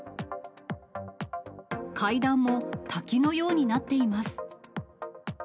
階段も滝のようになっています。